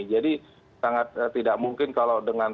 jadi sangat tidak mungkin kalau dengan